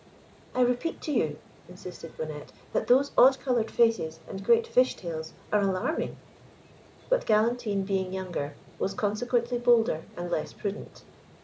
"I repeat to you," insisted Bonnette, "that those odd coloured faces and great fish tails are alarming." But Galantine being younger, was consequently bolder and less prudent.